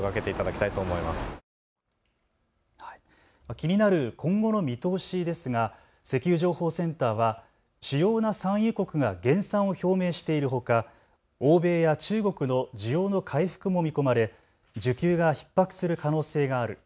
気になる今後の見通しですが石油情報センターは主要な産油国が減産を表明しているほか、欧米や中国の需要の回復も見込まれ需給がひっ迫する可能性がある。